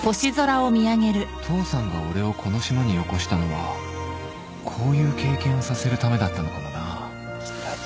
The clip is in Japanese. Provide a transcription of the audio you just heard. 父さんが俺をこの島によこしたのはこういう経験をさせるためだったのかもなきたきたきたきたきたきた！